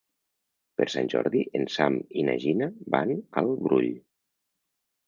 Per Sant Jordi en Sam i na Gina van al Brull.